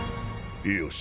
よし。